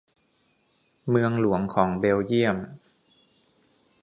เมืองหลวงของเบลเยี่ยม